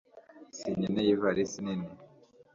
sinkeneye ivalisi nini